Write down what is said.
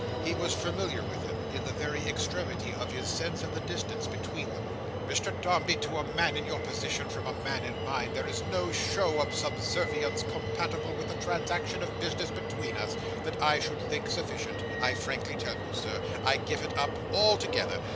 He was familiar with him, in the very extremity of his sense of the distance between them. "Mr Dombey, to a man in your position from a man in mine, there is no show of subservience compatible with the transaction of business between us, that I should think sufficient. I frankly tell you, Sir, I give it up altogether.